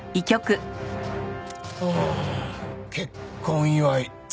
結婚祝い。